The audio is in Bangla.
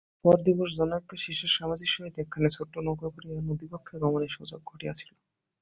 পর দিবস জনৈকা শিষ্যার স্বামীজীর সহিত একখানি ছোট নৌকা করিয়া নদীবক্ষে গমনের সুযোগ ঘটিয়াছিল।